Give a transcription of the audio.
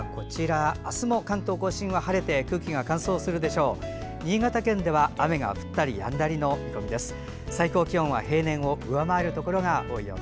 あすも関東・甲信は晴れて空気が乾燥するでしょう。